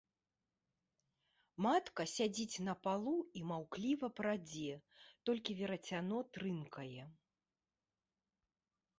Матка сядзіць на палу і маўкліва прадзе, толькі верацяно трынкае.